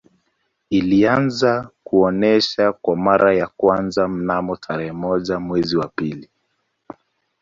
Ilianza kuonesha kwa mara ya kwanza mnamo tarehe moja mwezi wa pili